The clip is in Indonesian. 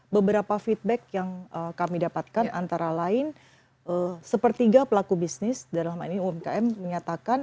beberapa feedback yang kami dapatkan antara lain sepertiga pelaku bisnis dalam hal ini umkm menyatakan